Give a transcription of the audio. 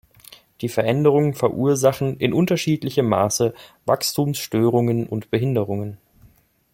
Die Veränderungen verursachen in unterschiedlichem Maße Wachstumsstörungen und Behinderungen.